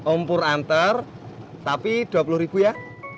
om puranta tapi dua puluh ribu ya